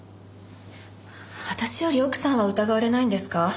私より奥さんは疑われないんですか？